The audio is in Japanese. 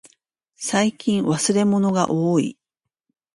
最近忘れ物がおおい。